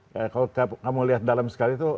kalau kamu lihat dalam sekali itu